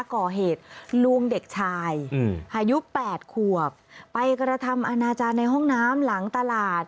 ก่อเหตุลวงเด็กชายอืมอายุแปดขวบไปกระทำอาณาจารย์ในห้องน้ำหลังตลาด